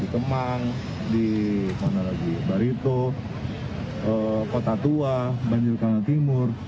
kemang di barito kota tua banjir kanal timur